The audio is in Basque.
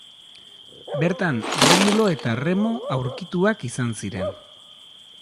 Bertan Romulo eta Remo aurkituak izan ziren.